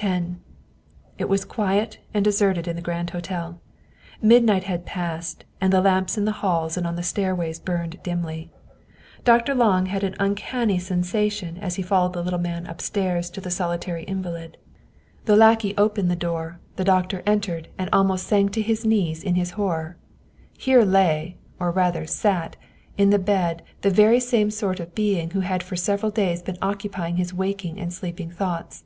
X IT was quiet and deserted in the great hotel. Midnight had passed, and the lamps in the halls and on the stairways burned dimly. Dr. Lange had an uncanny sensation as 122 Wilhclm Hauff he followed the little man upstairs to the solitary invalid. The lackey opened the door, the doctor entered, and almost sank to his knees in his horror. Here lay, or rather sat, in the bed the very same sort of being who had for several days been occupying his waking and sleeping thoughts.